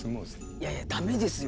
いやいやだめですよ。